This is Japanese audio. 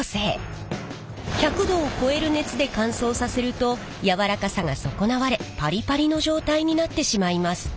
１００℃を超える熱で乾燥させると柔らかさが損なわれパリパリの状態になってしまいます。